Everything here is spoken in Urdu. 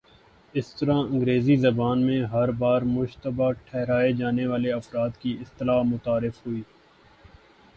اس طرح انگریزی زبان میں ''ہر بار مشتبہ ٹھہرائے جانے والے افراد "کی اصطلاح متعارف ہوئی۔